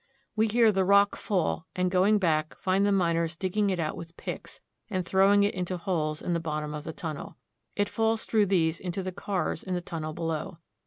We hear the rock fall, and, going back, find the miners digging it out with picks, and throwing it into holes in the bottom of the tunnel. It falls through these into the cars in the tunnel below.